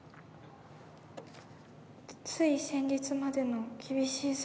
つい先日までの厳しい寒さも。